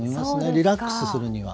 リラックスするには。